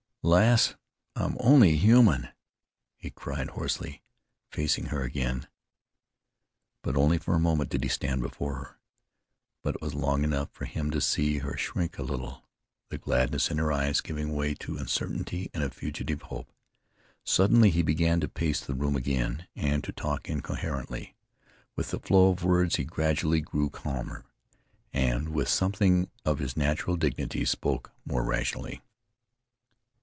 "Lass, I'm only human," he cried hoarsely, facing her again. But only for a moment did he stand before her; but it was long enough for him to see her shrink a little, the gladness in her eyes giving way to uncertainty and a fugitive hope. Suddenly he began to pace the room again, and to talk incoherently. With the flow of words he gradually grew calmer, and, with something of his natural dignity, spoke more rationally.